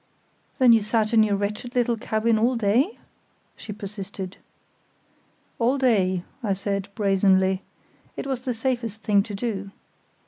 "Then you sat in your wretched little cabin all day?" she persisted. "All day," I said, brazenly; "it was the safest thing to do."